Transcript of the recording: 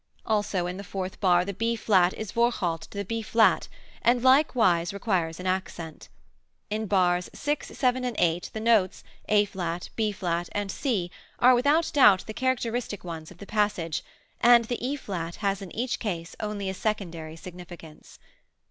Also in the fourth bar the B flat is Vorhalt to the B flat, and likewise requires an accent. In bars 6, 7 and 8 the notes, A flat, B flat and C, are without doubt the characteristic ones of the passage, and the E flat has in each case only a secondary significance.